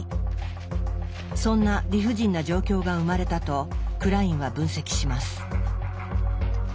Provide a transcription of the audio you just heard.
そんな理不尽な状況が生まれたとクラインは分析します。